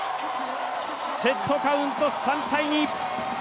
セットカウント３−２。